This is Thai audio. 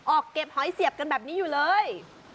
ออกเก็บหอยเสียบกันแบบนี้อยู่เลย